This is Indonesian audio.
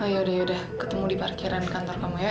yaudah yaudah ketemu di parkiran kantor kamu ya